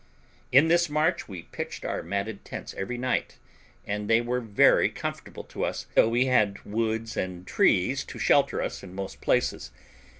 In this march we pitched our matted tents every night, and they were very comfortable to us, though we had trees and woods to shelter us in most places.